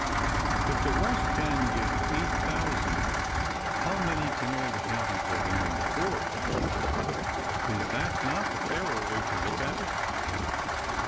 'If the West can give eight thousand, how many can all the counties of England afford?' I asked. 'Is not that the fairer way to look at it?